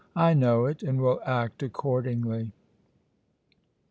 I know it, and will act accordingly."